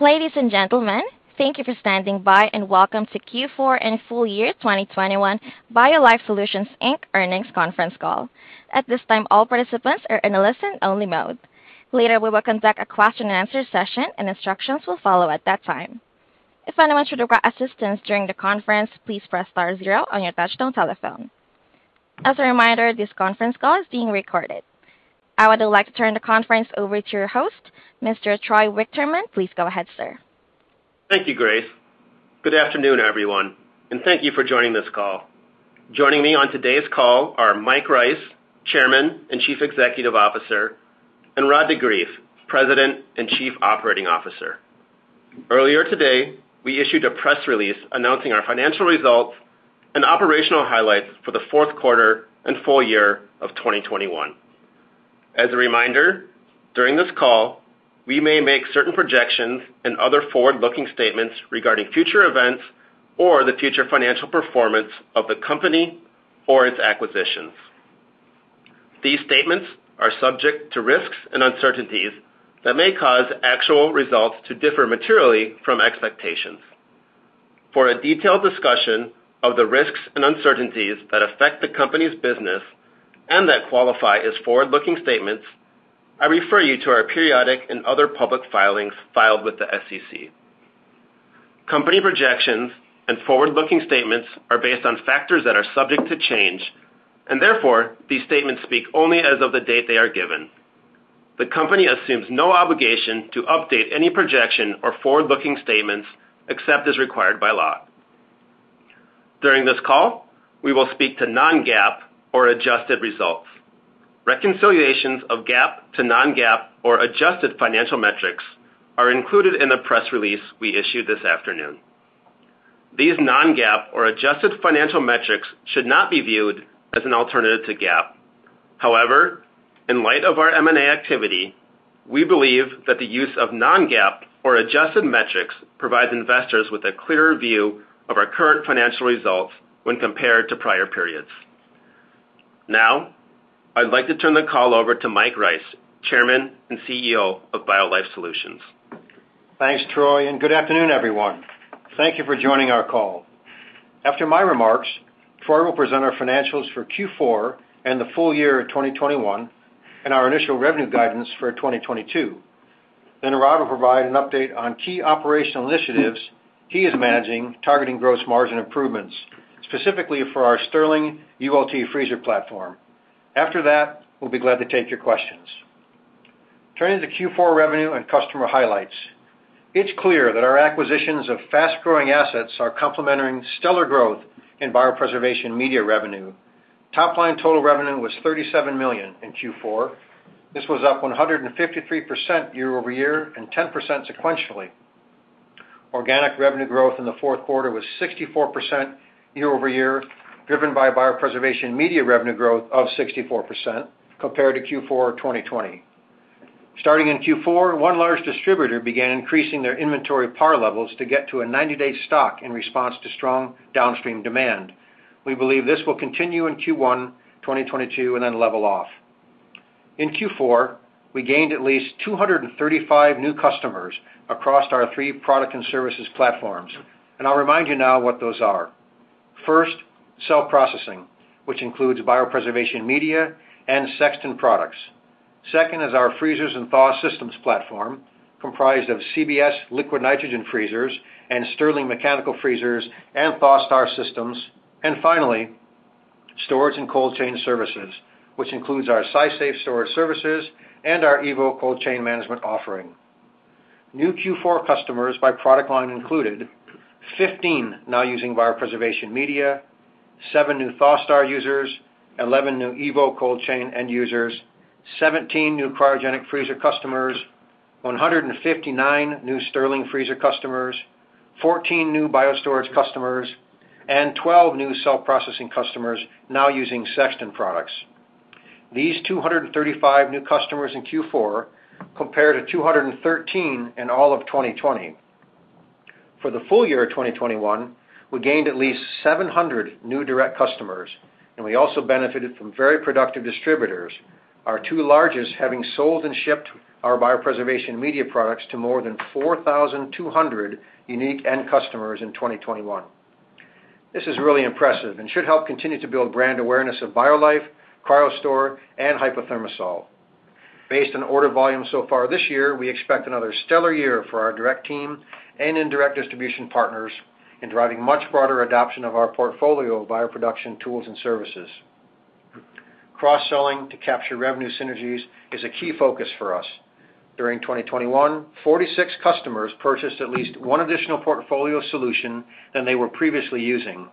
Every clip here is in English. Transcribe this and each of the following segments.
Ladies and gentlemen, thank you for standing by and welcome to Q4 and Full Year 2021 BioLife Solutions Inc. Earnings Conference Call. At this time, all participants are in a listen-only mode. Later, we will conduct a question-and-answer session, and instructions will follow at that time. If anyone should require assistance during the conference, please press star zero on your touch-tone telephone. As a reminder, this conference call is being recorded. I would like to turn the conference over to your host, Mr. Troy Wichterman. Please go ahead, sir. Thank you, Grace. Good afternoon, everyone, and thank you for joining this call. Joining me on today's call are Mike Rice, Chairman and Chief Executive Officer, and Rod de Greef, President and Chief Operating Officer. Earlier today, we issued a press release announcing our financial results and operational highlights for the fourth quarter and full year of 2021. As a reminder, during this call, we may make certain projections and other forward-looking statements regarding future events or the future financial performance of the company or its acquisitions. These statements are subject to risks and uncertainties that may cause actual results to differ materially from expectations. For a detailed discussion of the risks and uncertainties that affect the company's business and that qualify as forward-looking statements, I refer you to our periodic and other public filings filed with the SEC. Company projections and forward-looking statements are based on factors that are subject to change, and therefore, these statements speak only as of the date they are given. The company assumes no obligation to update any projection or forward-looking statements except as required by law. During this call, we will speak to non-GAAP or adjusted results. Reconciliations of GAAP to non-GAAP or adjusted financial metrics are included in the press release we issued this afternoon. These non-GAAP or adjusted financial metrics should not be viewed as an alternative to GAAP. However, in light of our M&A activity, we believe that the use of non-GAAP or adjusted metrics provides investors with a clearer view of our current financial results when compared to prior periods. Now, I'd like to turn the call over to Mike Rice, Chairman and CEO of BioLife Solutions. Thanks, Troy, and good afternoon, everyone. Thank you for joining our call. After my remarks, Troy will present our financials for Q4 and the full year of 2021 and our initial revenue guidance for 2022. Rod will provide an update on key operational initiatives he is managing, targeting gross margin improvements, specifically for our Stirling ULT Freezer platform. After that, we'll be glad to take your questions. Turning to Q4 revenue and customer highlights. It's clear that our acquisitions of fast-growing assets are complementing stellar growth in biopreservation media revenue. Top line total revenue was $37 million in Q4. This was up 153% year-over-year and 10% sequentially. Organic revenue growth in the fourth quarter was 64% year-over-year, driven by biopreservation media revenue growth of 64% compared to Q4 2020. Starting in Q4, one large distributor began increasing their inventory par levels to get to a 90-day stock in response to strong downstream demand. We believe this will continue in Q1 2022 and then level off. In Q4, we gained at least 235 new customers across our three product and services platforms, and I'll remind you now what those are. First, cell processing, which includes biopreservation media and Sexton products. Second is our freezers and thaw systems platform, comprised of CBS liquid nitrogen freezers and Stirling mechanical freezers and ThawSTAR systems. Finally, storage and cold chain services, which includes our SciSafe storage services and our EVO cold chain management offering. New Q4 customers by product line included 15 now using biopreservation media, seven new ThawSTAR users, 11 new evo cold chain end users, 17 new cryogenic freezer customers, 159 new Stirling freezer customers, 14 new SciSafe customers, and 12 new Cell Processing customers now using Sexton products. These 235 new customers in Q4 compare to 213 in all of 2020. For the full year of 2021, we gained at least 700 new direct customers, and we also benefited from very productive distributors, our two largest having sold and shipped our biopreservation media products to more than 4,200 unique end customers in 2021. This is really impressive and should help continue to build brand awareness of BioLife, CryoStor, and HypoThermosol. Based on order volume so far this year, we expect another stellar year for our direct team and indirect distribution partners in driving much broader adoption of our portfolio of bioproduction tools and services. Cross-selling to capture revenue synergies is a key focus for us. During 2021, 46 customers purchased at least one additional portfolio solution than they were previously using.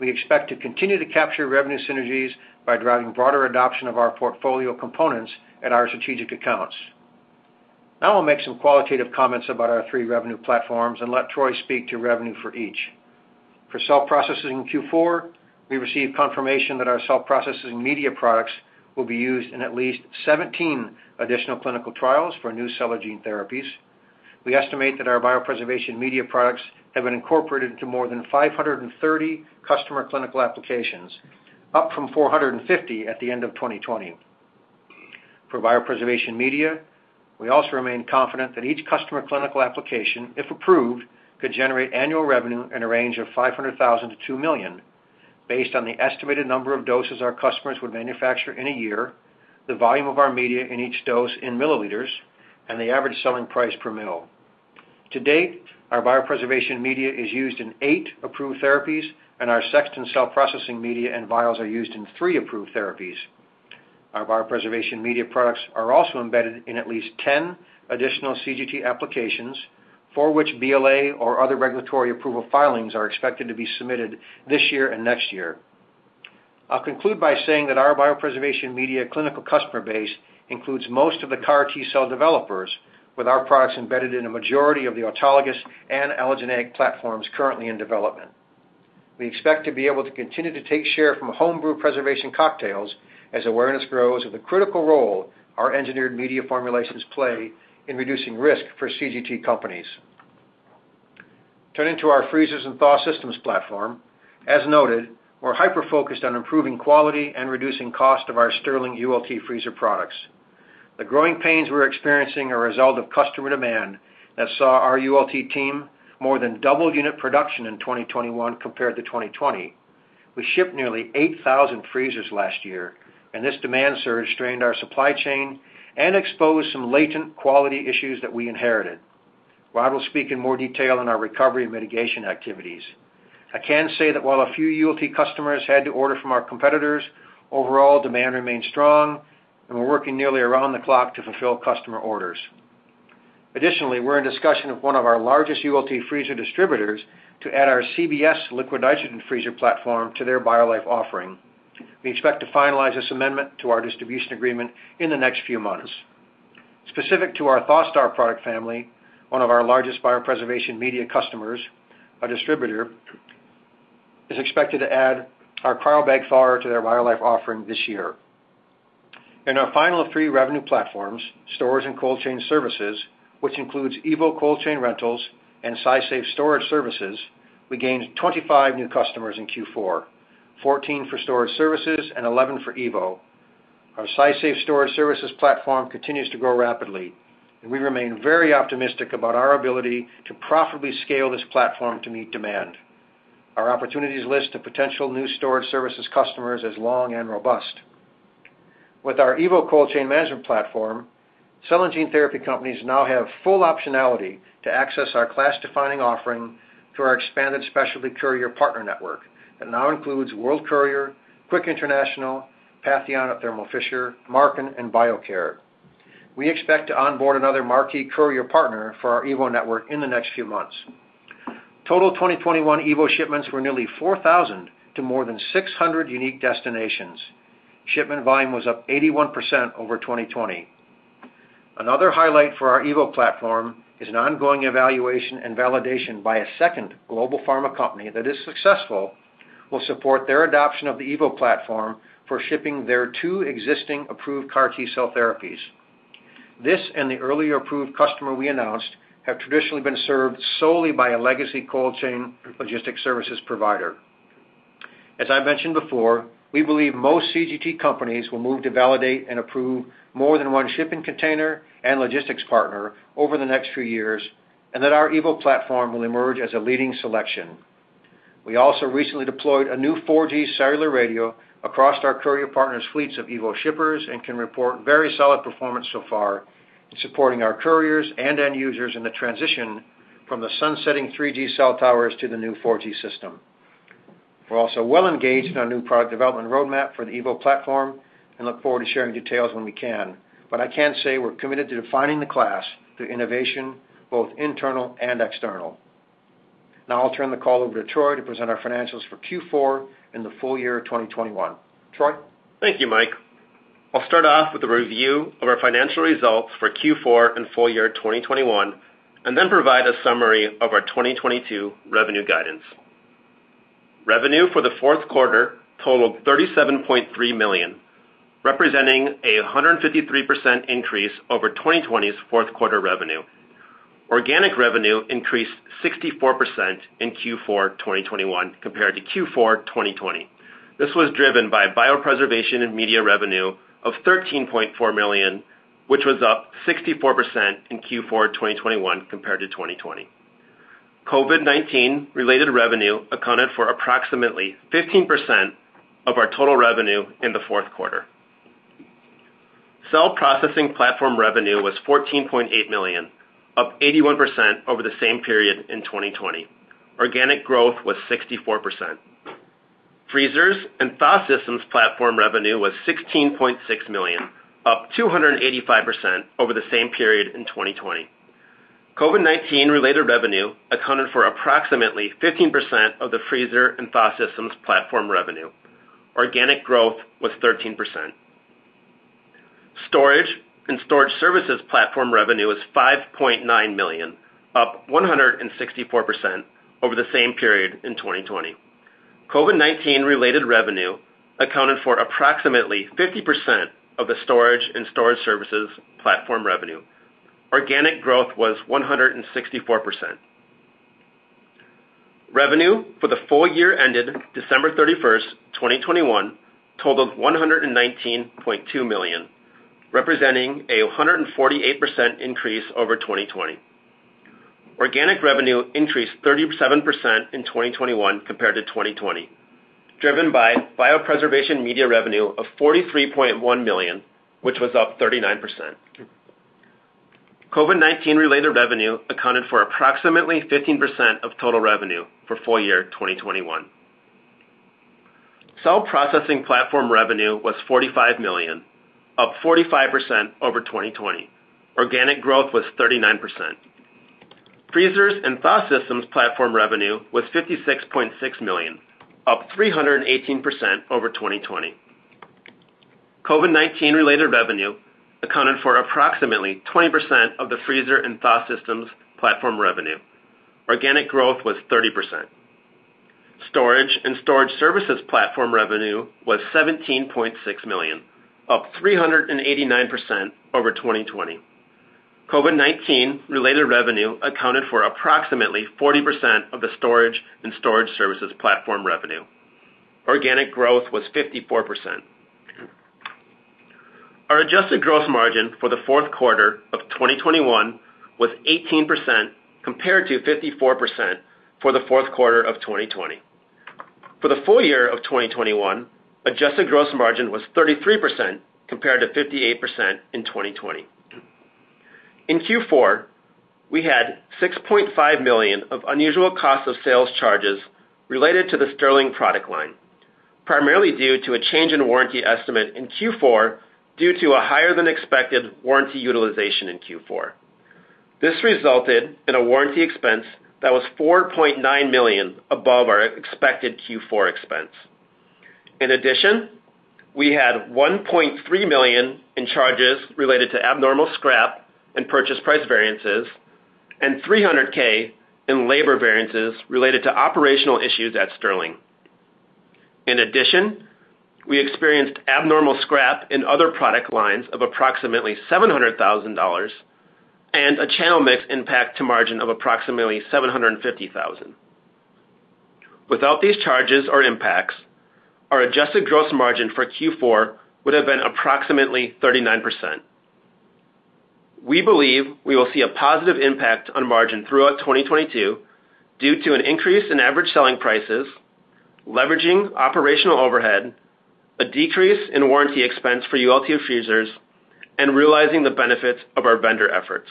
We expect to continue to capture revenue synergies by driving broader adoption of our portfolio components at our strategic accounts. Now I'll make some qualitative comments about our three revenue platforms and let Troy speak to revenue for each. For Cell Processing in Q4, we received confirmation that our cell processing media products will be used in at least 17 additional clinical trials for new cell and gene therapies. We estimate that our biopreservation media products have been incorporated into more than 530 customer clinical applications, up from 450 at the end of 2020. For biopreservation media, we also remain confident that each customer clinical application, if approved, could generate annual revenue in a range of $500,000-$2 million based on the estimated number of doses our customers would manufacture in a year, the volume of our media in each dose in milliliters, and the average selling price per mil. To date, our biopreservation media is used in eight approved therapies, and our Sexton cell processing media and vials are used in three approved therapies. Our biopreservation media products are also embedded in at least 10 additional CGT applications for which BLA or other regulatory approval filings are expected to be submitted this year and next year. I'll conclude by saying that our biopreservation media clinical customer base includes most of the CAR T-cell developers with our products embedded in a majority of the autologous and allogeneic platforms currently in development. We expect to be able to continue to take share from home brew preservation cocktails as awareness grows of the critical role our engineered media formulations play in reducing risk for CGT companies. Turning to our freezers and thaw systems platform. As noted, we're hyper-focused on improving quality and reducing cost of our Stirling ULT freezer products. The growing pains we're experiencing are a result of customer demand that saw our ULT team more than double unit production in 2021 compared to 2020. We shipped nearly 8,000 freezers last year, and this demand surge strained our supply chain and exposed some latent quality issues that we inherited. Rob will speak in more detail on our recovery and mitigation activities. I can say that while a few ULT customers had to order from our competitors, overall demand remains strong, and we're working nearly around the clock to fulfill customer orders. Additionally, we're in discussion with one of our largest ULT freezer distributors to add our CBS liquid nitrogen freezer platform to their BioLife offering. We expect to finalize this amendment to our distribution agreement in the next few months. Specific to our ThawSTAR product family, one of our largest biopreservation media customers, a distributor, is expected to add our CryoBag-Thawer to their BioLife offering this year. In our final of three revenue platforms, storage and cold chain services, which includes EVO cold chain rentals and SciSafe storage services, we gained 25 new customers in Q4, 14 for storage services and 11 for EVO. Our SciSafe storage services platform continues to grow rapidly, and we remain very optimistic about our ability to profitably scale this platform to meet demand. Our opportunities list of potential new storage services customers is long and robust. With our EVO cold chain management platform, cell and gene therapy companies now have full optionality to access our class-defining offering through our expanded specialty courier partner network that now includes World Courier, Quick International, Patheon of Thermo Fisher, Marken, and Biocair. We expect to onboard another marquee courier partner for our EVO network in the next few months. Total 2021 EVO shipments were nearly 4,000 to more than 600 unique destinations. Shipment volume was up 81% over 2020. Another highlight for our EVO platform is an ongoing evaluation and validation by a second global pharma company that is successful will support their adoption of the EVO platform for shipping their 2 existing approved CAR T-cell therapies. This and the earlier approved customer we announced have traditionally been served solely by a legacy cold chain logistics services provider. As I mentioned before, we believe most CGT companies will move to validate and approve more than one shipping container and logistics partner over the next few years, and that our EVO platform will emerge as a leading selection. We also recently deployed a new 4G cellular radio across our courier partners' fleets of EVO shippers and can report very solid performance so far in supporting our couriers and end users in the transition from the sunsetting 3G cell towers to the new 4G system. We're also well engaged in our new product development roadmap for the evo platform and look forward to sharing details when we can. I can say we're committed to defining the class through innovation, both internal and external. Now I'll turn the call over to Troy to present our financials for Q4 and the full year 2021. Troy? Thank you, Mike. I'll start off with a review of our financial results for Q4 and full year 2021, and then provide a summary of our 2022 revenue guidance. Revenue for the fourth quarter totaled $37.3 million, representing a 153% increase over 2020's fourth quarter revenue. Organic revenue increased 64% in Q4 2021 compared to Q4 2020. This was driven by biopreservation and media revenue of $13.4 million, which was up 64% in Q4 2021 compared to 2020. COVID-19 related revenue accounted for approximately 15% of our total revenue in the fourth quarter. Cell processing platform revenue was $14.8 million, up 81% over the same period in 2020. Organic growth was 64%. Freezers and Thaw Systems Platform revenue was $16.6 million, up 285% over the same period in 2020. COVID-19 related revenue accounted for approximately 15% of the Freezers and Thaw Systems Platform revenue. Organic growth was 13%. Storage and Storage Services Platform revenue is $5.9 million, up 164% over the same period in 2020. COVID-19 related revenue accounted for approximately 50% of the Storage and Storage Services Platform revenue. Organic growth was 164%. Revenue for the full year ended December 31, 2021 totaled $119.2 million, representing a 148% increase over 2020. Organic revenue increased 37% in 2021 compared to 2020, driven by biopreservation media revenue of $43.1 million, which was up 39%. COVID-19 related revenue accounted for approximately 15% of total revenue for full year 2021. Cell Processing platform revenue was $45 million, up 45% over 2020. Organic growth was 39%. Freezers and thaw systems platform revenue was $56.6 million, up 318% over 2020. COVID-19 related revenue accounted for approximately 20% of the freezer and thaw systems platform revenue. Organic growth was 30%. Storage and storage services platform revenue was $17.6 million, up 389% over 2020. COVID-19 related revenue accounted for approximately 40% of the storage and storage services platform revenue. Organic growth was 54%. Our adjusted gross margin for the fourth quarter of 2021 was 18% compared to 54% for the fourth quarter of 2020. For the full year of 2021, adjusted gross margin was 33% compared to 58% in 2020. In Q4, we had $6.5 million of unusual cost of sales charges related to the Stirling product line, primarily due to a change in warranty estimate in Q4 due to a higher than expected warranty utilization in Q4. This resulted in a warranty expense that was $4.9 million above our expected Q4 expense. In addition, we had $1.3 million in charges related to abnormal scrap and purchase price variances and $300K in labor variances related to operational issues at Stirling. In addition, we experienced abnormal scrap in other product lines of approximately $700,000 and a channel mix impact to margin of approximately $750,000. Without these charges or impacts, our adjusted gross margin for Q4 would have been approximately 39%. We believe we will see a positive impact on margin throughout 2022 due to an increase in average selling prices, leveraging operational overhead, a decrease in warranty expense for ULT freezers, and realizing the benefits of our vendor efforts.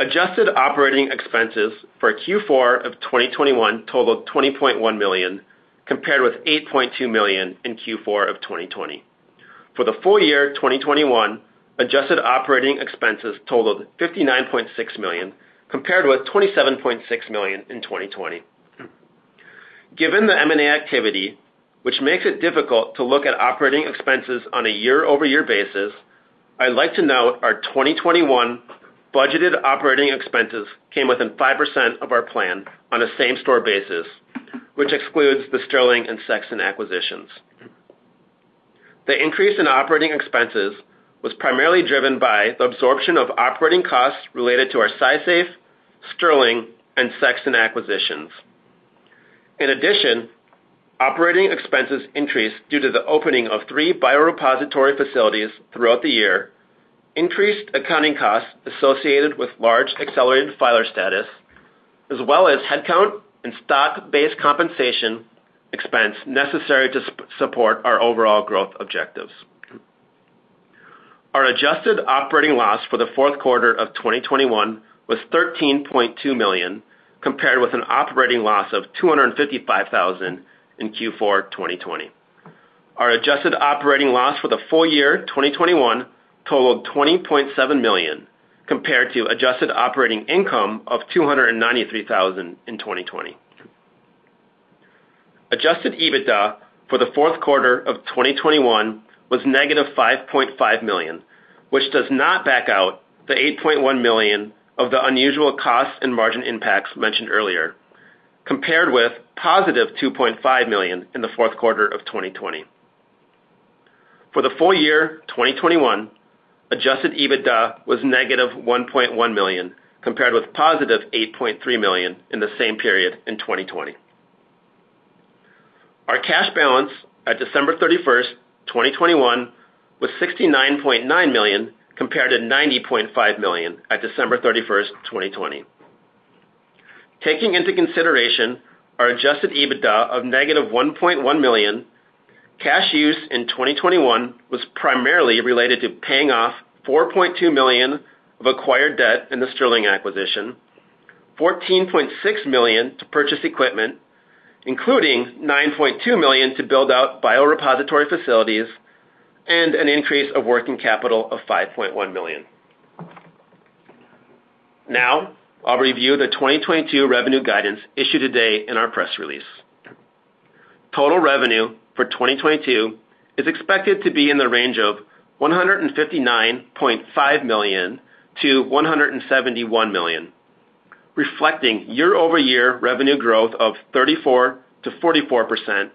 Adjusted operating expenses for Q4 of 2021 totaled $20.1 million compared with $8.2 million in Q4 of 2020. For the full year 2021, adjusted operating expenses totaled $59.6 million compared with $27.6 million in 2020. Given the M&A activity, which makes it difficult to look at operating expenses on a year-over-year basis, I'd like to note our 2021 budgeted operating expenses came within 5% of our plan on a same-store basis, which excludes the Stirling and Sexton acquisitions. The increase in operating expenses was primarily driven by the absorption of operating costs related to our SciSafe, Stirling, and Sexton acquisitions. In addition, operating expenses increased due to the opening of three biorepository facilities throughout the year, increased accounting costs associated with large accelerated filer status, as well as headcount and stock-based compensation expense necessary to support our overall growth objectives. Our adjusted operating loss for the fourth quarter of 2021 was $13.2 million compared with an operating loss of $255,000 in Q4 2020. Our adjusted operating loss for the full year 2021 totaled $20.7 million compared to adjusted operating income of $293,000 in 2020. Adjusted EBITDA for the fourth quarter of 2021 was -$5.5 million, which does not back out the $8.1 million of the unusual costs and margin impacts mentioned earlier, compared with $2.5 million in the fourth quarter of 2020. For the full year 2021, Adjusted EBITDA was -$1.1 million compared with $8.3 million in the same period in 2020. Our cash balance at December 31, 2021 was $69.9 million compared to $90.5 million at December 31, 2020. Taking into consideration our Adjusted EBITDA of -$1.1 million, cash use in 2021 was primarily related to paying off $4.2 million of acquired debt in the Stirling acquisition, $14.6 million to purchase equipment, including $9.2 million to build out biorepository facilities, and an increase of working capital of $5.1 million. Now, I'll review the 2022 revenue guidance issued today in our press release. Total revenue for 2022 is expected to be in the range of $159.5 million-$171 million, reflecting year-over-year revenue growth of 34%-44%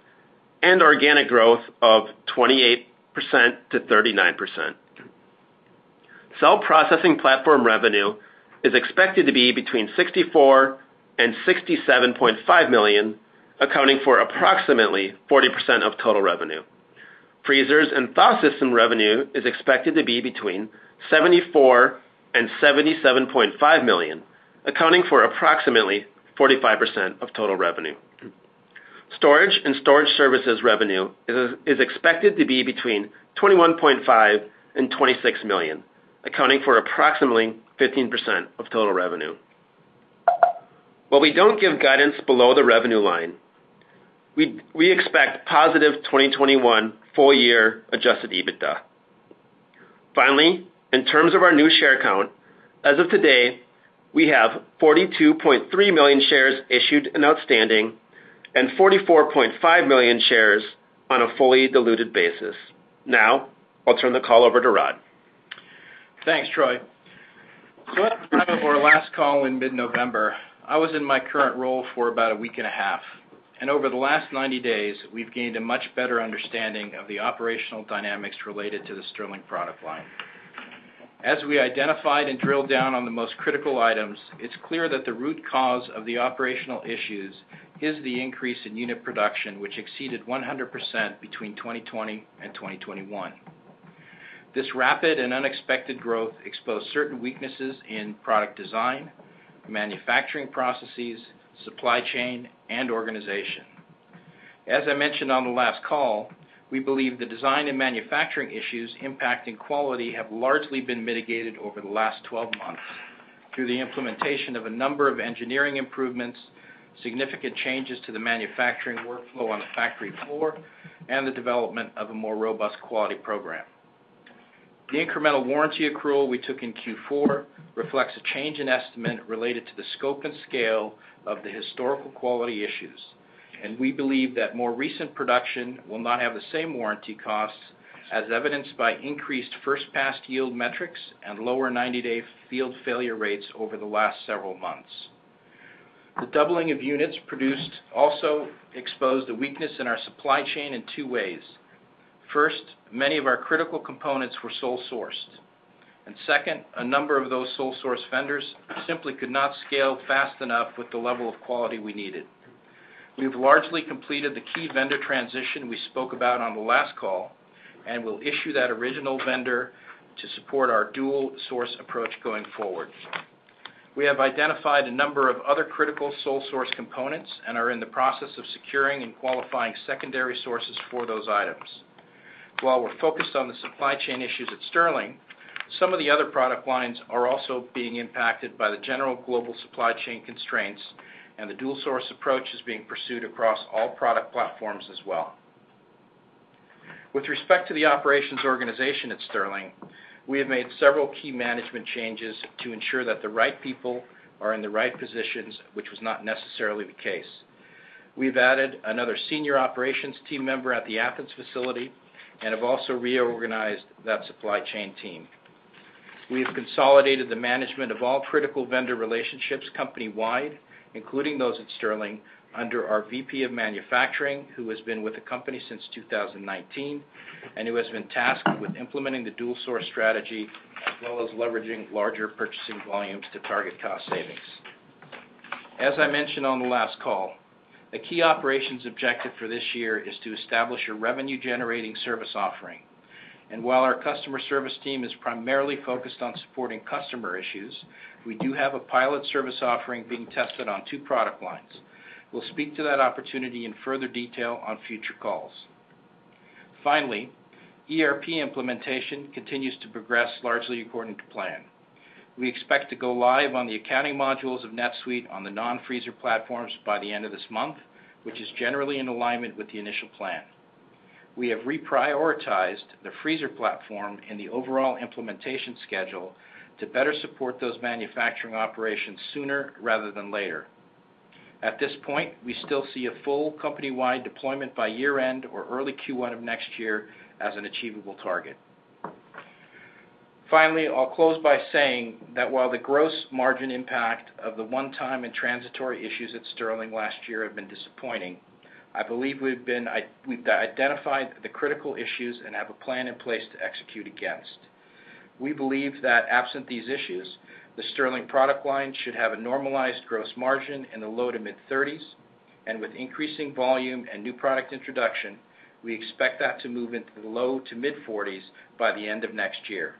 and organic growth of 28%-39%. Cell Processing platform revenue is expected to be between $64 million-$67.5 million, accounting for approximately 40% of total revenue. Freezers and thaw system revenue is expected to be between $74 million-$77.5 million, accounting for approximately 45% of total revenue. Storage and storage services revenue is expected to be between $21.5 million and $26 million, accounting for approximately 15% of total revenue. While we don't give guidance below the revenue line, we expect positive 2021 full year Adjusted EBITDA. Finally, in terms of our new share count, as of today, we have 42.3 million shares issued and outstanding and 44.5 million shares on a fully diluted basis. Now I'll turn the call over to Rod. Thanks, Troy. As of our last call in mid-November, I was in my current role for about a week and a half. Over the last 90 days, we've gained a much better understanding of the operational dynamics related to the Stirling product line. As we identified and drilled down on the most critical items, it's clear that the root cause of the operational issues is the increase in unit production, which exceeded 100% between 2020 and 2021. This rapid and unexpected growth exposed certain weaknesses in product design, manufacturing processes, supply chain, and organization. As I mentioned on the last call, we believe the design and manufacturing issues impacting quality have largely been mitigated over the last 12 months through the implementation of a number of engineering improvements, significant changes to the manufacturing workflow on the factory floor, and the development of a more robust quality program. The incremental warranty accrual we took in Q4 reflects a change in estimate related to the scope and scale of the historical quality issues, and we believe that more recent production will not have the same warranty costs as evidenced by increased first pass yield metrics and lower 90-day field failure rates over the last several months. The doubling of units produced also exposed a weakness in our supply chain in two ways. First, many of our critical components were sole-sourced. Second, a number of those sole source vendors simply could not scale fast enough with the level of quality we needed. We've largely completed the key vendor transition we spoke about on the last call, and we'll issue that original vendor to support our dual source approach going forward. We have identified a number of other critical sole source components and are in the process of securing and qualifying secondary sources for those items. While we're focused on the supply chain issues at Stirling, some of the other product lines are also being impacted by the general global supply chain constraints, and the dual source approach is being pursued across all product platforms as well. With respect to the operations organization at Stirling, we have made several key management changes to ensure that the right people are in the right positions, which was not necessarily the case. We've added another senior operations team member at the Athens facility and have also reorganized that supply chain team. We have consolidated the management of all critical vendor relationships company-wide, including those at Stirling, under our VP of Manufacturing, who has been with the company since 2019, and who has been tasked with implementing the dual source strategy as well as leveraging larger purchasing volumes to target cost savings. As I mentioned on the last call, a key operations objective for this year is to establish a revenue-generating service offering. While our customer service team is primarily focused on supporting customer issues, we do have a pilot service offering being tested on two product lines. We'll speak to that opportunity in further detail on future calls. Finally, ERP implementation continues to progress largely according to plan. We expect to go live on the accounting modules of NetSuite on the non-freezer platforms by the end of this month, which is generally in alignment with the initial plan. We have reprioritized the freezer platform in the overall implementation schedule to better support those manufacturing operations sooner rather than later. At this point, we still see a full company-wide deployment by year-end or early Q1 of next year as an achievable target. Finally, I'll close by saying that while the gross margin impact of the one-time and transitory issues at Stirling last year have been disappointing, I believe we've identified the critical issues and have a plan in place to execute against. We believe that absent these issues, the Stirling product line should have a normalized gross margin in the low- to mid-30s%, and with increasing volume and new product introduction, we expect that to move into the low- to mid-40s% by the end of next year.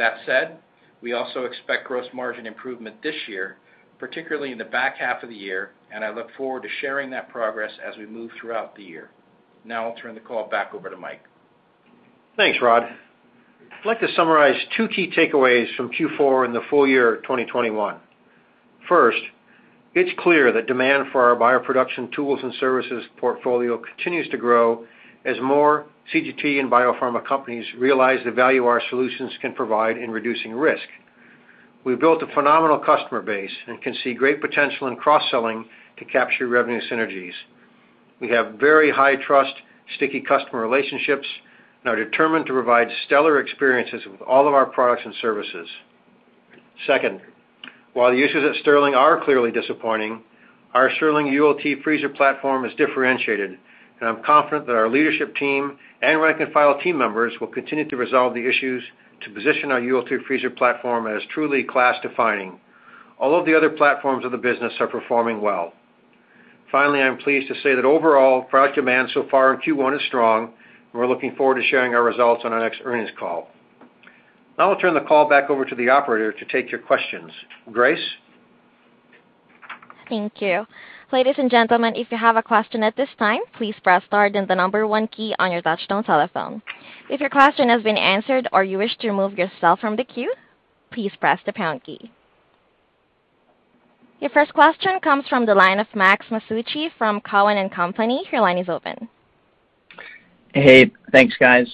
That said, we also expect gross margin improvement this year, particularly in the back half of the year, and I look forward to sharing that progress as we move throughout the year. Now I'll turn the call back over to Mike. Thanks, Rod. I'd like to summarize two key takeaways from Q4 and the full year of 2021. First, it's clear that demand for our bioproduction tools and services portfolio continues to grow as more CGT and biopharma companies realize the value our solutions can provide in reducing risk. We've built a phenomenal customer base and can see great potential in cross-selling to capture revenue synergies. We have very high trust, sticky customer relationships, and are determined to provide stellar experiences with all of our products and services. Second, while the issues at Stirling are clearly disappointing, our Stirling ULT freezer platform is differentiated, and I'm confident that our leadership team and rank and file team members will continue to resolve the issues to position our ULT freezer platform as truly class-defining. All of the other platforms of the business are performing well. Finally, I'm pleased to say that overall product demand so far in Q1 is strong, and we're looking forward to sharing our results on our next earnings call. Now I'll turn the call back over to the operator to take your questions. Grace? Thank you. Ladies and gentlemen, if you have a question at this time, please press star then the number one key on your touchtone telephone. If your question has been answered or you wish to remove yourself from the queue, please press the pound key. Your first question comes from the line of Max Masucci from Cowen and Company. Your line is open. Hey, thanks, guys.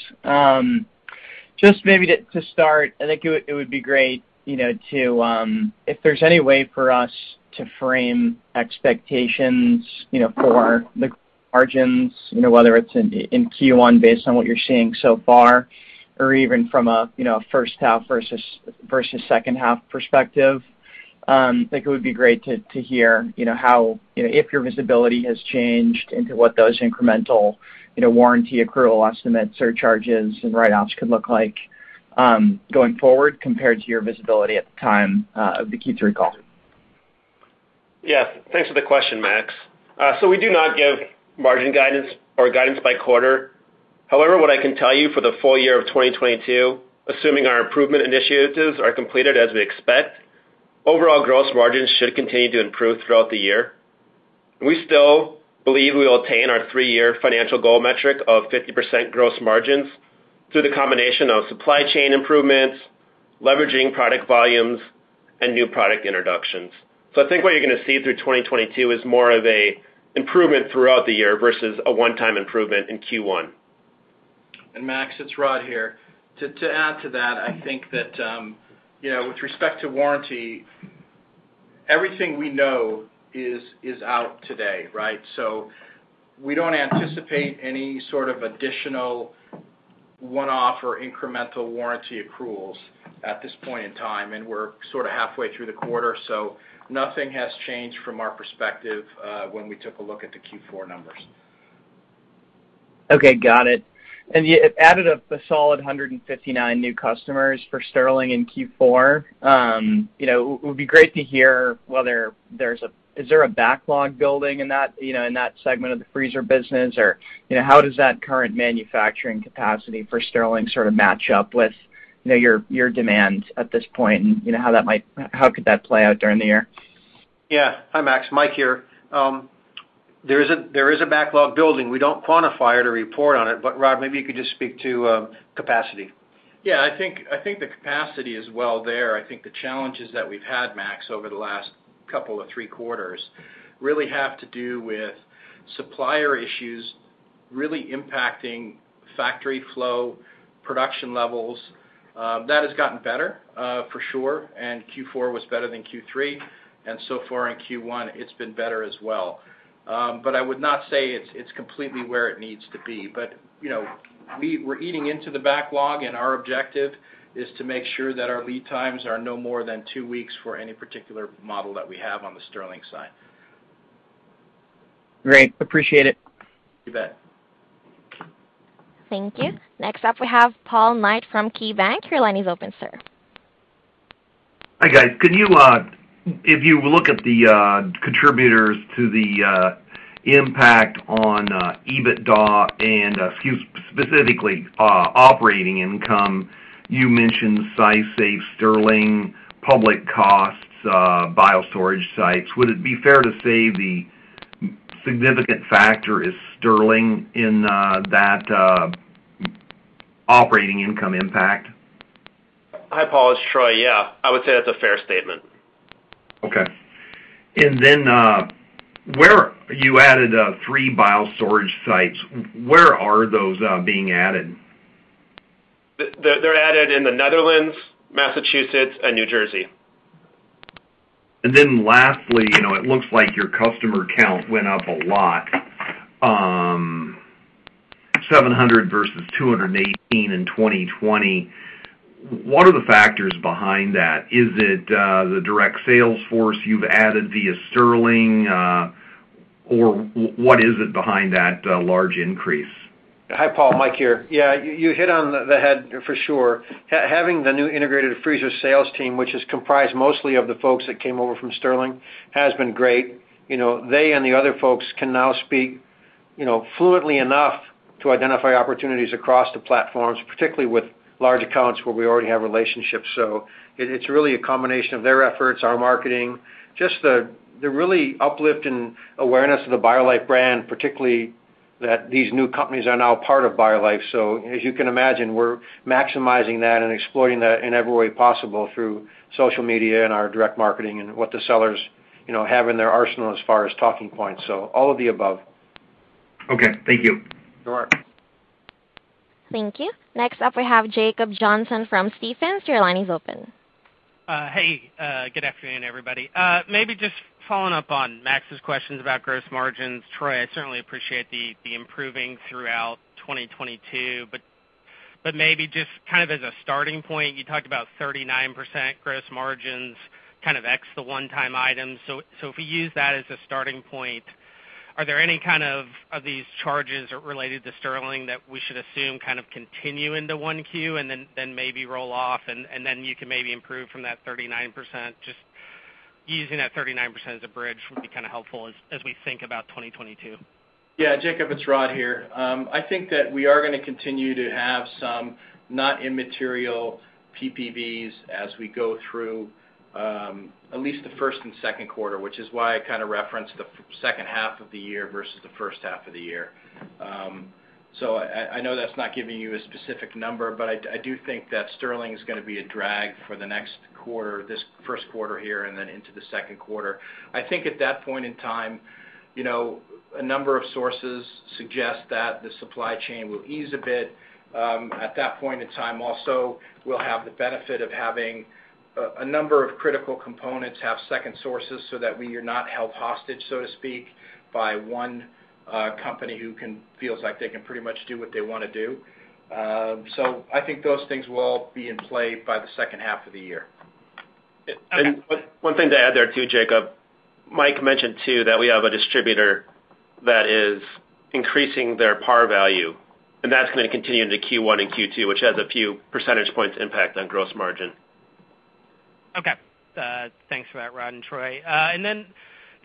Just maybe to start, I think it would be great, you know, to if there's any way for us to frame expectations, you know, for the margins, you know, whether it's in Q1 based on what you're seeing so far, or even from a first half versus second half perspective. I think it would be great to hear, you know, how, you know, if your visibility has changed into what those incremental, you know, warranty accrual estimate surcharges and write-offs could look like, going forward compared to your visibility at the time of the Q3 call. Yes. Thanks for the question, Max. So we do not give margin guidance or guidance by quarter. However, what I can tell you for the full year of 2022, assuming our improvement initiatives are completed as we expect, overall gross margins should continue to improve throughout the year. We still believe we will attain our three-year financial goal metric of 50% gross margins through the combination of supply chain improvements, leveraging product volumes, and new product introductions. I think what you're gonna see through 2022 is more of an improvement throughout the year versus a one-time improvement in Q1. Max, it's Rod here. To add to that, I think that, you know, with respect to warranty, everything we know is out today, right? We don't anticipate any sort of additional one-off or incremental warranty accruals at this point in time, and we're sort of halfway through the quarter. Nothing has changed from our perspective, when we took a look at the Q4 numbers. Okay, got it. You added a solid 159 new customers for Stirling in Q4. You know, it would be great to hear whether there's a backlog building in that, you know, in that segment of the freezer business? Or, you know, how does that current manufacturing capacity for Stirling sort of match up with, you know, your demands at this point, and you know, how could that play out during the year? Yeah. Hi, Max. Mike here. There is a backlog building. We don't quantify it or report on it. Rod, maybe you could just speak to capacity. Yeah, I think the capacity is well there. I think the challenges that we've had, Max, over the last couple of three quarters really have to do with supplier issues really impacting factory flow, production levels. That has gotten better, for sure, and Q4 was better than Q3, and so far in Q1 it's been better as well. I would not say it's completely where it needs to be. You know, we're eating into the backlog, and our objective is to make sure that our lead times are no more than two weeks for any particular model that we have on the Stirling side. Great. Appreciate it. You bet. Thank you. Next up, we have Paul Knight from KeyBanc. Your line is open, sir. Hi, guys. Can you, if you look at the contributors to the impact on EBITDA and a few specifically, operating income, you mentioned SciSafe, Stirling, public costs, biostorage sites? Would it be fair to say the most significant factor is Stirling in that operating income impact? Hi, Paul. It's Troy. Yeah, I would say that's a fair statement. Okay. You added 3 Biostorage sites. Where are those being added? They're added in the Netherlands, Massachusetts, and New Jersey. Then lastly, you know, it looks like your customer count went up a lot, 700 versus 218 in 2020. What are the factors behind that? Is it the direct sales force you've added via Stirling, or what is it behind that large increase? Hi, Paul. Mike here. Yeah, you hit the nail on the head for sure. Having the new integrated freezer sales team, which is comprised mostly of the folks that came over from Stirling, has been great. You know, they and the other folks can now speak, you know, fluently enough to identify opportunities across the platforms, particularly with large accounts where we already have relationships. It's really a combination of their efforts, our marketing, just the really uplift in awareness of the BioLife brand, particularly that these new companies are now part of BioLife. So as you can imagine, we're maximizing that and exploring that in every way possible through social media and our direct marketing and what the sellers, you know, have in their arsenal as far as talking points. So all of the above. Okay, thank you. Sure. Thank you. Next up, we have Jacob Johnson from Stephens. Your line is open. Good afternoon, everybody. Maybe just following up on Max's questions about gross margins. Troy, I certainly appreciate the improving throughout 2022, but maybe just kind of as a starting point, you talked about 39% gross margins, kind of ex the one-time items. So if we use that as a starting point, are there any kind of these charges related to Stirling that we should assume kind of continue into Q1 and then maybe roll off, and then you can maybe improve from that 39%? Just using that 39% as a bridge would be kind of helpful as we think about 2022. Yeah, Jacob, it's Rod here. I think that we are gonna continue to have some not immaterial PPVs as we go through at least the first and second quarter, which is why I kind of referenced the second half of the year versus the first half of the year. I know that's not giving you a specific number, but I do think that Stirling is gonna be a drag for the next quarter, this first quarter here and then into the second quarter. I think at that point in time, you know, a number of sources suggest that the supply chain will ease a bit. At that point in time also, we'll have the benefit of having a number of critical components have second sources so that we are not held hostage, so to speak, by one company who feels like they can pretty much do what they wanna do. I think those things will all be in play by the second half of the year. Okay. One thing to add there too, Jacob. Mike mentioned too that we have a distributor that is increasing their par value, and that's gonna continue into Q1 and Q2, which has a few percentage points impact on gross margin. Okay. Thanks for that, Rod and Troy. And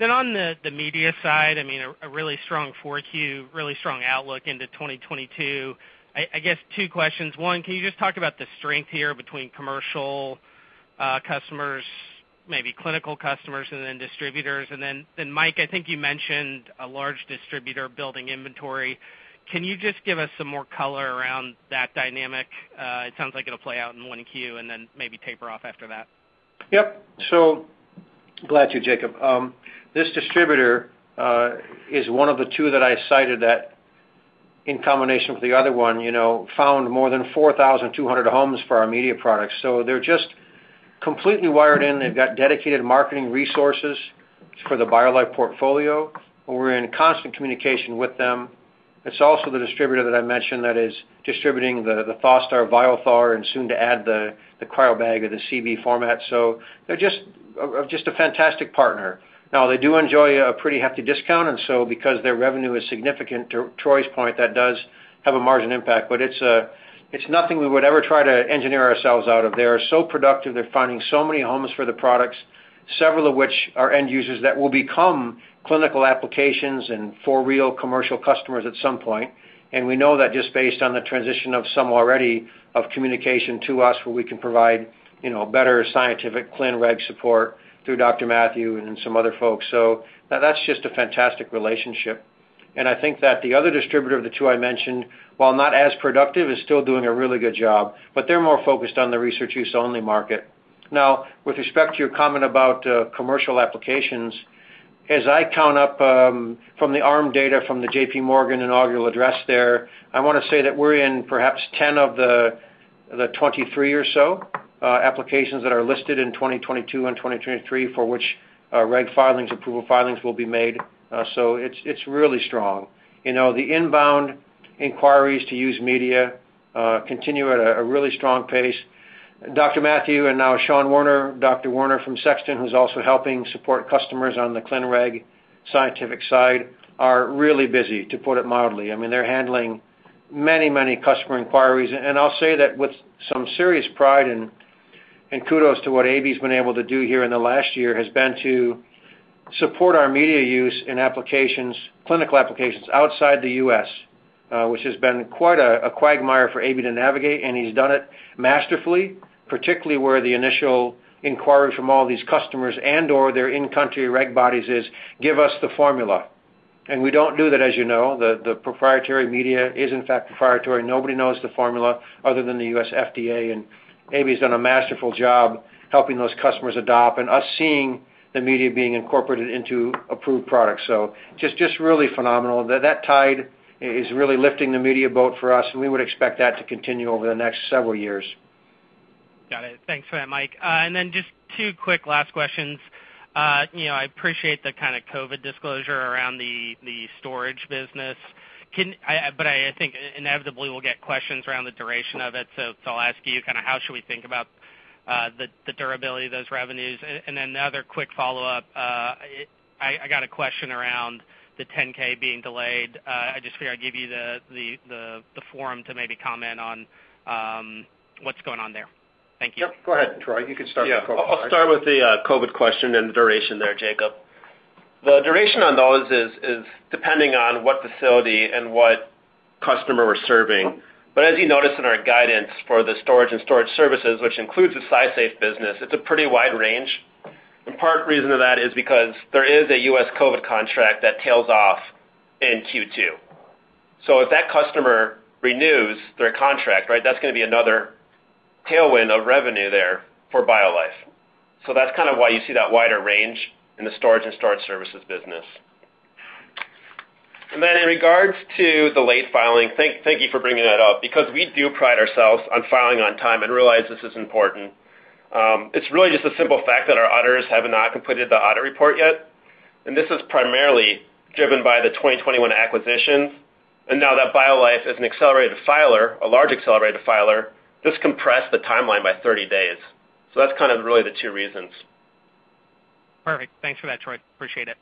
then on the media side, I mean, a really strong 4Q, really strong outlook into 2022. I guess two questions. One, can you just talk about the strength here between commercial customers, maybe clinical customers, and then distributors? And then Mike, I think you mentioned a large distributor building inventory. Can you just give us some more color around that dynamic? It sounds like it'll play out in 1Q, and then maybe taper off after that. Yep. Glad to, Jacob. This distributor is one of the two that I cited that in combination with the other one, you know, found more than 4,200 homes for our media products. They're just completely wired in. They've got dedicated marketing resources for the BioLife portfolio. We're in constant communication with them. It's also the distributor that I mentioned that is distributing the ThawSTAR, Vial Thaw, and soon to add the CryoBag-Thawer or the CB format. They're just a fantastic partner. Now they do enjoy a pretty hefty discount, and because their revenue is significant, to Troy's point, that does have a margin impact. It's nothing we would ever try to engineer ourselves out of. They are so productive. They're finding so many homes for the products, several of which are end users that will become clinical applications and for real commercial customers at some point. We know that just based on the transition of some already of communication to us, where we can provide, you know, better scientific clinical regulatory support through Dr. Mathew and some other folks. That's just a fantastic relationship. I think that the other distributor of the two I mentioned, while not as productive, is still doing a really good job, but they're more focused on the research use only market. Now, with respect to your comment about commercial applications, as I count up from the ARM data from the JP Morgan inaugural address there, I wanna say that we're in perhaps 10 of the 23 or so applications that are listed in 2022 and 2023 for which reg filings, approval filings will be made. So it's really strong. You know, the inbound inquiries to use media continue at a really strong pace. Dr. Matthew and now Sean Werner, Dr. Werner from Sexton, who's also helping support customers on the clin reg scientific side, are really busy, to put it mildly. I mean, they're handling many customer inquiries. I'll say that with some serious pride and kudos to what AB's been able to do here in the last year, has been to support our media use in applications, clinical applications outside the U.S., which has been quite a quagmire for AB to navigate, and he's done it masterfully, particularly where the initial inquiry from all these customers and/or their in-country reg bodies is, "Give us the formula." We don't do that, as you know. The proprietary media is in fact proprietary. Nobody knows the formula other than the U.S. FDA, and AB's done a masterful job helping those customers adopt and us seeing the media being incorporated into approved products. Just really phenomenal. That tide is really lifting the media boat for us, and we would expect that to continue over the next several years. Got it. Thanks for that, Mike. Then just two quick last questions. You know, I appreciate the kind of COVID disclosure around the storage business. I think inevitably we'll get questions around the duration of it, so I'll ask you kinda how should we think about the durability of those revenues? Then another quick follow-up, I got a question around the 10-K being delayed. I just figure I'd give you the forum to maybe comment on what's going on there. Thank you. Yep. Go ahead, Troy. You can start with the COVID. Yeah. I'll start with the COVID question and the duration there, Jacob. The duration on those is depending on what facility and what customer we're serving. As you noticed in our guidance for the storage and storage services, which includes the SciSafe business, it's a pretty wide range. In part reason to that is because there is a U.S. COVID contract that tails off in Q2. If that customer renews their contract, right, that's gonna be another tailwind of revenue there for BioLife. That's kind of why you see that wider range in the storage and storage services business. In regards to the late filing, thank you for bringing that up because we do pride ourselves on filing on time and realize this is important. It's really just a simple fact that our auditors have not completed the audit report yet. This is primarily driven by the 2021 acquisitions. Now that BioLife is an accelerated filer, a large accelerated filer, this compressed the timeline by 30 days. That's kind of really the 2 reasons. Perfect. Thanks for that, Troy. Appreciate it.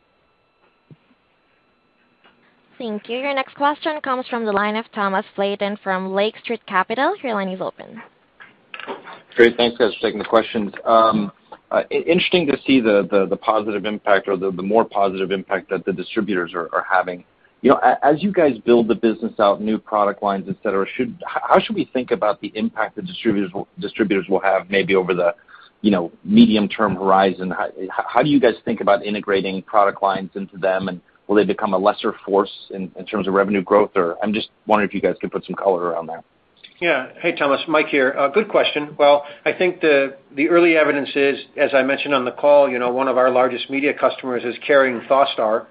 Thank you. Your next question comes from the line of Thomas Flaten from Lake Street Capital. Your line is open. Great. Thanks, guys, for taking the questions. Interesting to see the positive impact or the more positive impact that the distributors are having. You know, as you guys build the business out, new product lines, et cetera, how should we think about the impact the distributors will have maybe over the, you know, medium-term horizon? How do you guys think about integrating product lines into them, and will they become a lesser force in terms of revenue growth? I'm just wondering if you guys could put some color around that. Hey, Thomas. Mike here. Good question. Well, I think the early evidence is, as I mentioned on the call, you know, one of our largest media customers is carrying ThawSTAR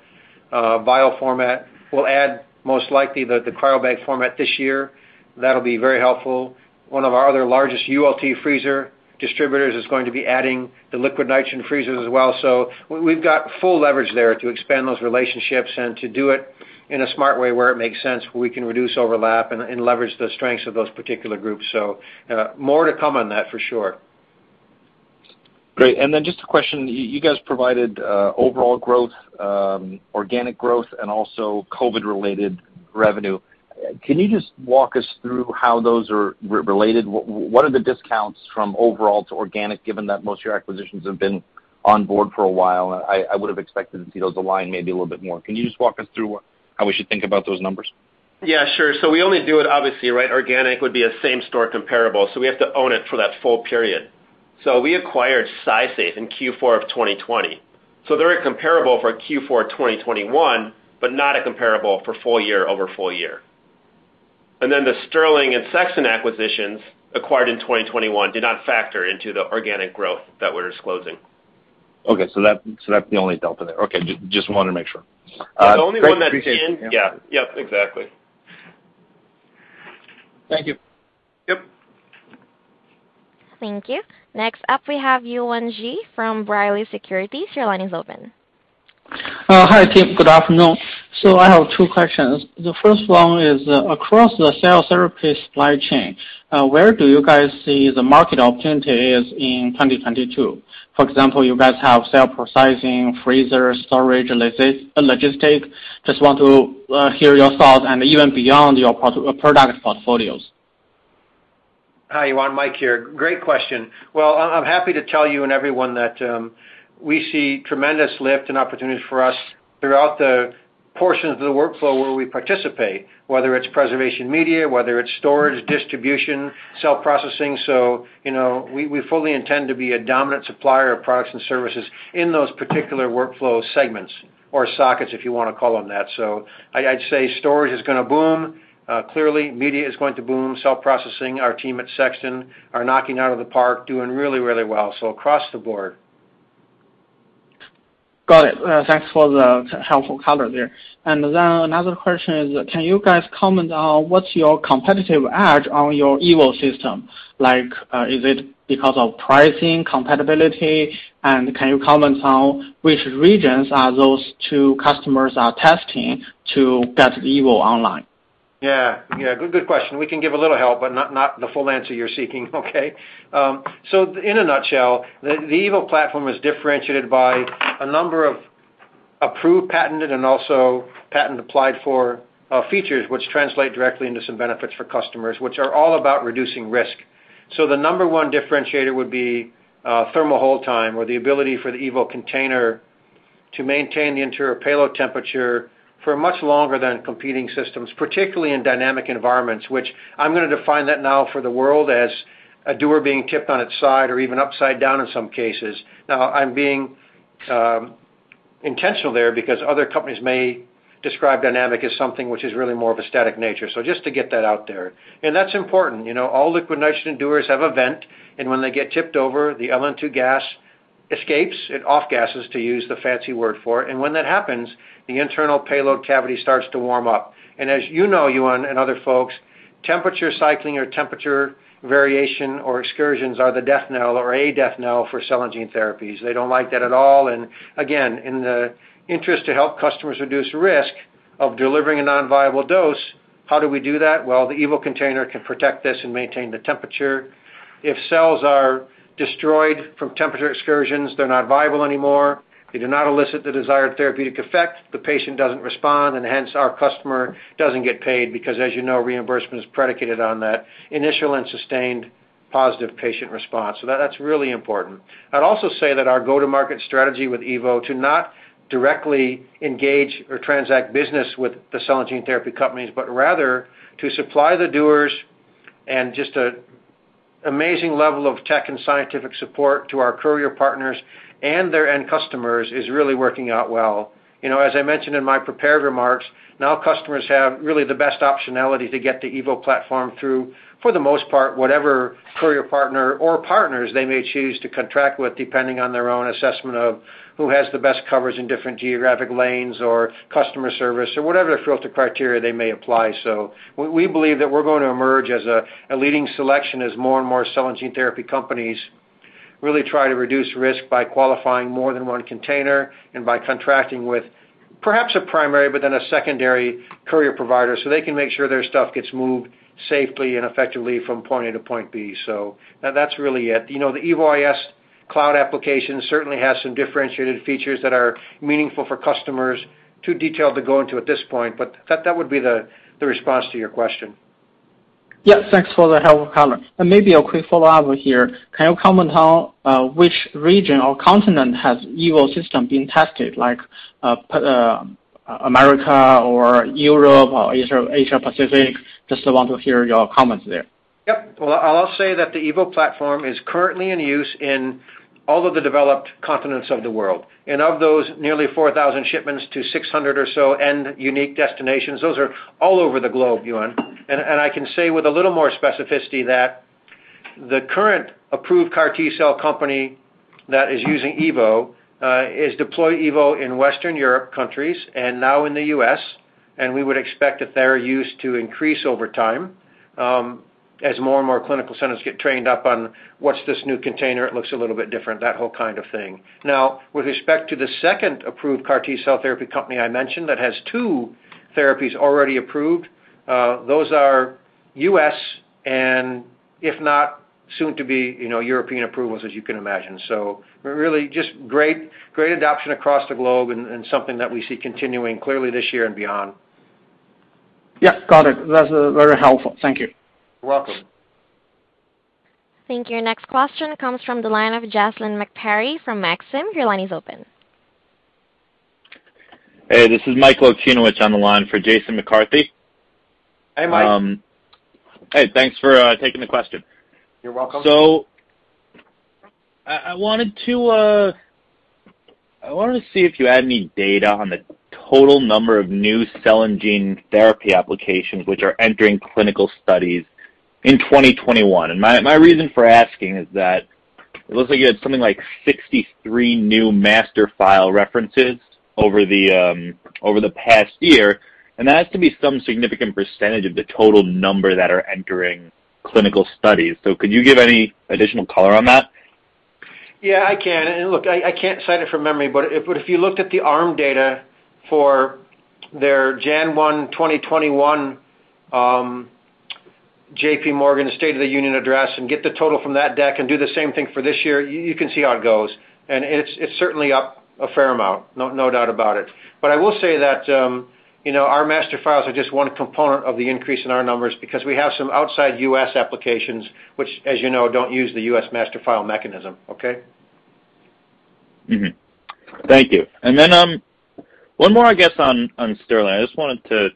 vial format. We'll add most likely the CryoBag format this year. That'll be very helpful. One of our other largest ULT freezer distributors is going to be adding the liquid nitrogen freezers as well. We've got full leverage there to expand those relationships and to do it in a smart way where it makes sense, where we can reduce overlap and leverage the strengths of those particular groups. More to come on that for sure. Great. Just a question. You guys provided overall growth, organic growth, and also COVID-related revenue. Can you just walk us through how those are related? What are the discounts from overall to organic, given that most of your acquisitions have been on board for a while? I would have expected to see those align maybe a little bit more. Can you just walk us through how we should think about those numbers? Yeah, sure. We only do it obviously, right? Organic would be a same-store comparable, so we have to own it for that full period. We acquired SciSafe in Q4 2020. They're a comparable for Q4 2021, but not a comparable for full year over full year. Then the Stirling and Sexton acquisitions acquired in 2021 did not factor into the organic growth that we're disclosing. Okay, that's the only delta there. Okay, just wanted to make sure. Great. Appreciate it. The only one that's. Yeah. Yep, exactly. Thank you. Yep. Thank you. Next up, we have Yuan Zhi from B. Riley Securities. Your line is open. Hi, team. Good afternoon. I have two questions. The first one is, across the cell therapy supply chain, where do you guys see the market opportunities in 2022? For example, you guys have cell processing, freezer storage, logistics. Just want to hear your thoughts and even beyond your product portfolios. Hi, Yuan, Mike here. Great question. Well, I'm happy to tell you and everyone that we see tremendous lift and opportunity for us throughout the portions of the workflow where we participate, whether it's preservation media, whether it's storage, distribution, cell processing. You know, we fully intend to be a dominant supplier of products and services in those particular workflow segments or sockets, if you wanna call them that. I'd say storage is gonna boom, clearly, media is going to boom. Cell processing, our team at Sexton are knocking it out of the park, doing really, really well, so across the board. Got it. Thanks for the helpful color there. Another question is, can you guys comment on what's your competitive edge on your evo system? Like, is it because of pricing compatibility? Can you comment on which regions are those two customers are testing to get evo online? Yeah. Good question. We can give a little help, but not the full answer you're seeking, okay. In a nutshell, the evo platform is differentiated by a number of approved, patented, and also patent applied for features, which translate directly into some benefits for customers, which are all about reducing risk. The number one differentiator would be thermal hold time or the ability for the evo container to maintain the interior payload temperature for much longer than competing systems, particularly in dynamic environments, which I'm gonna define that now for the world as a dewar being tipped on its side or even upside down in some cases. Now, I'm being intentional there because other companies may describe dynamic as something which is really more of a static nature. Just to get that out there. That's important. You know, all liquid nitrogen dewars have a vent, and when they get tipped over, the LN2 gas escapes, it off-gases, to use the fancy word for it. When that happens, the internal payload cavity starts to warm up. As you know, Yuan, and other folks, temperature cycling or temperature variation or excursions are the death knell or a death knell for cell and gene therapies. They don't like that at all. Again, in the interest to help customers reduce risk of delivering a non-viable dose, how do we do that? Well, the evo container can protect this and maintain the temperature. If cells are destroyed from temperature excursions, they're not viable anymore. They do not elicit the desired therapeutic effect. The patient doesn't respond, and hence our customer doesn't get paid because as you know, reimbursement is predicated on that initial and sustained positive patient response. That's really important. I'd also say that our go-to-market strategy with evo to not directly engage or transact business with the cell and gene therapy companies, but rather to supply the dewars and just an amazing level of tech and scientific support to our courier partners and their end customers is really working out well. You know, as I mentioned in my prepared remarks, now customers have really the best optionality to get the evo platform through, for the most part, whatever courier partner or partners they may choose to contract with, depending on their own assessment of who has the best coverage in different geographic lanes or customer service or whatever filter criteria they may apply. We believe that we're going to emerge as a leading selection as more and more cell and gene therapy companies really try to reduce risk by qualifying more than one container and by contracting with perhaps a primary but then a secondary courier provider so they can make sure their stuff gets moved safely and effectively from point A to point B. Now that's really it. You know, the evo.is cloud application certainly has some differentiated features that are meaningful for customers, too detailed to go into at this point, but that would be the response to your question. Yes, thanks for the color. Maybe a quick follow-up here. Can you comment on which region or continent has evo been tested, like, America or Europe or Asia-Pacific? Just want to hear your comments there. Yep. Well, I'll say that the EVO platform is currently in use in all of the developed continents of the world. Of those nearly 4,000 shipments to 600 or so end unique destinations, those are all over the globe, Yuan. I can say with a little more specificity that the current approved CAR T-cell company that is using EVO is deploying EVO in Western Europe countries and now in the U.S., and we would expect that their use to increase over time, as more and more clinical centers get trained up on what's this new container, it looks a little bit different, that whole kind of thing. Now, with respect to the second approved CAR T-cell therapy company I mentioned that has two therapies already approved, those are U.S. and if not soon to be, you know, European approvals, as you can imagine. Really just great adoption across the globe and something that we see continuing clearly this year and beyond. Yeah, got it. That's very helpful. Thank you. You're welcome. Thank you. Next question comes from the line of Jason McCarthy from Maxim. Your line is open. Hey, this is Mike Okunewitch on the line for Jason McCarthy. Hey, Mike. Hey, thanks for taking the question. You're welcome. I wanted to see if you had any data on the total number of new cell and gene therapy applications which are entering clinical studies in 2021. My reason for asking is that it looks like you had something like 63 new master file references over the past year, and that has to be some significant percentage of the total number that are entering clinical studies. Could you give any additional color on that? Yeah, I can. Look, I can't cite it from memory, but if you looked at the ARM data for their January 1, 2021, JPMorgan State of the Union address and get the total from that deck and do the same thing for this year, you can see how it goes. It's certainly up a fair amount, no doubt about it. I will say that, you know, our master files are just one component of the increase in our numbers because we have some outside U.S. applications, which as you know, don't use the U.S. master file mechanism. Okay? Mm-hmm. Thank you. Then, one more I guess on Stirling. I just wanted to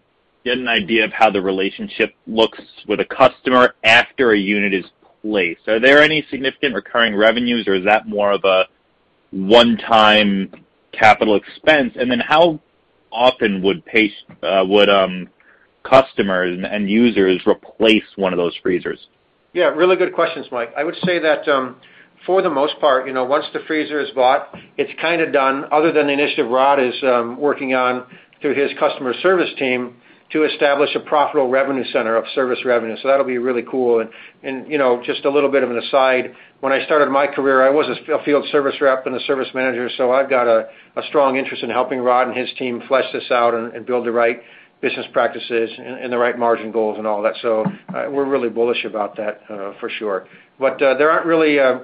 get an idea of how the relationship looks with a customer after a unit is placed. Are there any significant recurring revenues, or is that more of a one-time capital expense? Then how often would customers and users replace one of those freezers? Yeah, really good questions, Mike. I would say that for the most part, you know, once the freezer is bought, it's kinda done other than the initiative Rod is working on through his customer service team to establish a profitable revenue center of service revenue. That'll be really cool. Just a little bit of an aside, when I started my career, I was a field service rep and a service manager, so I've got a strong interest in helping Rod and his team flesh this out and build the right business practices and the right margin goals and all that. We're really bullish about that for sure. There aren't really a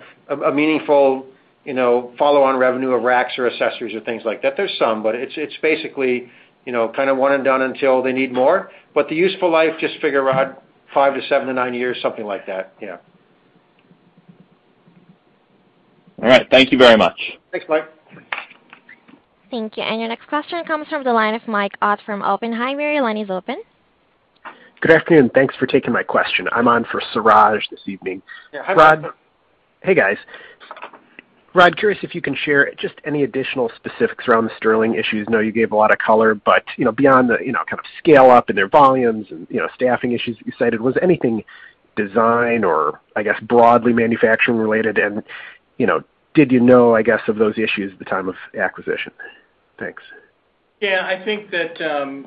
meaningful, you know, follow on revenue of racks or accessories or things like that. There's some, but it's basically, you know, kinda one and done until they need more. The useful life, just figure out 5 to 7 to 9 years, something like that. Yeah. All right. Thank you very much. Thanks, Mike. Thank you. Your next question comes from the line of Mike Ott from Oppenheimer. Your line is open. Good afternoon. Thanks for taking my question. I'm on for Suraj this evening. Yeah. Hi, Mike. Rod. Hey, guys. Rod, curious if you can share just any additional specifics around the Stirling issues. I know you gave a lot of color, but, you know, beyond the, you know, kind of scale up and their volumes and, you know, staffing issues you cited, was anything design or I guess broadly manufacturing related? You know, did you know, I guess, of those issues at the time of acquisition? Thanks. Yeah, I think that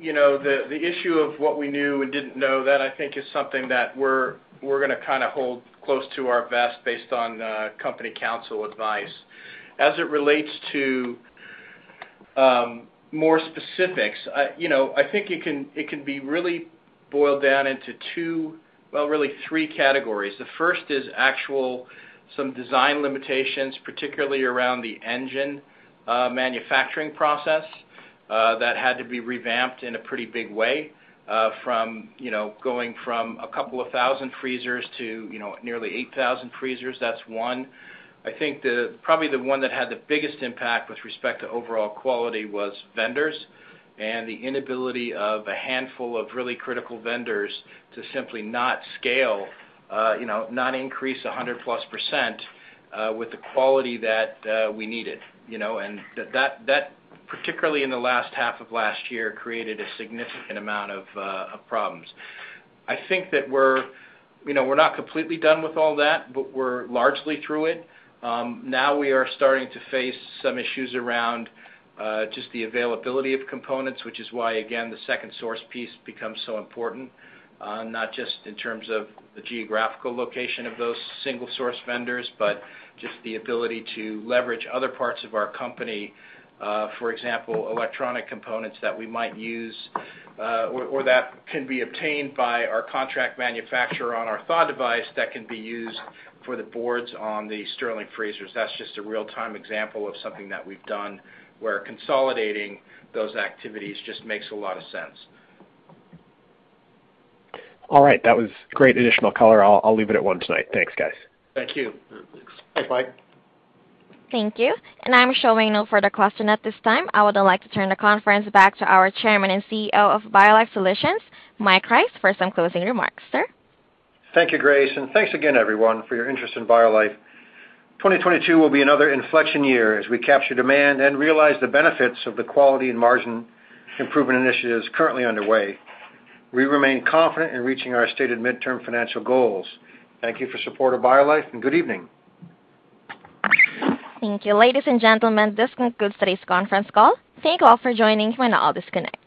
you know the issue of what we knew and didn't know, that I think is something that we're gonna kinda hold close to our vest based on company counsel advice. As it relates to more specifics, I you know I think it can be really boiled down into two, well, really three categories. The first is actually some design limitations, particularly around the engine manufacturing process that had to be revamped in a pretty big way from you know going from a couple thousand freezers to you know nearly 8,000 freezers. That's one. I think probably the one that had the biggest impact with respect to overall quality was vendors and the inability of a handful of really critical vendors to simply not scale, you know, not increase 100%+, with the quality that we needed, you know. That particularly in the last half of last year created a significant amount of problems. I think that we're, you know, we're not completely done with all that, but we're largely through it. Now we are starting to face some issues around just the availability of components, which is why, again, the second source piece becomes so important, not just in terms of the geographical location of those single source vendors, but just the ability to leverage other parts of our company. For example, electronic components that we might use, or that can be obtained by our contract manufacturer on our thaw device that can be used for the boards on the Stirling freezers. That's just a real-time example of something that we've done where consolidating those activities just makes a lot of sense. All right. That was great additional color. I'll leave it at one tonight. Thanks, guys. Thank you. Yeah, thanks. Bye, Mike. Thank you. I'm showing no further questions at this time. I would then like to turn the conference back to our Chairman and CEO of BioLife Solutions, Mike Rice, for some closing remarks. Sir? Thank you, Grace, and thanks again, everyone, for your interest in BioLife. 2022 will be another inflection year as we capture demand and realize the benefits of the quality and margin improvement initiatives currently underway. We remain confident in reaching our stated midterm financial goals. Thank you for your support of BioLife, and good evening. Thank you. Ladies and gentlemen, this concludes today's conference call. Thank you all for joining. We now all disconnect.